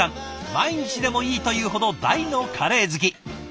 毎日でもいいというほど大のカレー好き。